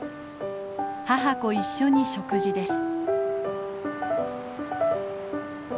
母子一緒に食事です。